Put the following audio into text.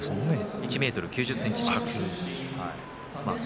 １ｍ９０ｃｍ近くです。